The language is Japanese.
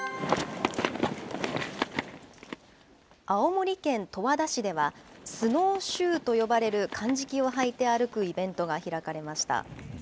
青森県十和田市では、スノーシューと呼ばれるかんじきを履いて歩くイベントが開かれました。